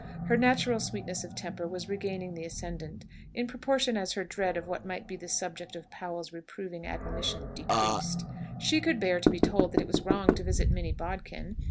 Her natural sweetness of temper was regaining the ascendant, in proportion as her dread of what might be the subject of Powell's reproving admonition decreased. She could bear to be told that it was wrong to visit Minnie Bodkin.